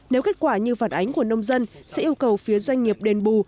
nếu kết quả như phản ánh của nông dân sẽ yêu cầu phía doanh nghiệp đền bù